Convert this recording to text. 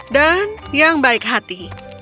dan yang baik hati